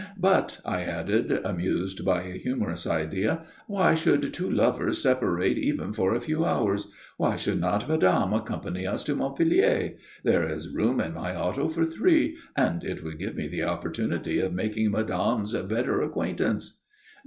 But," I added, amused by a humorous idea, "why should two lovers separate even for a few hours? Why should not madame accompany us to Montpellier? There is room in my auto for three, and it would give me the opportunity of making madame's better acquaintance."